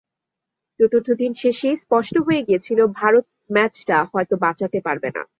চতুর্থ দিন শেষেই স্পষ্ট হয়ে গিয়েছিল ভারত ম্যাচটা হয়তো বাঁচাতে পারবে না।